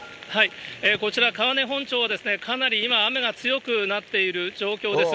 こちら、川根本町はかなり今、雨が強くなっている状況です。